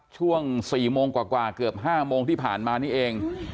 ช่วง๔โมงกว่าเกือบ๕โมงที่ผ่านมานี่เอง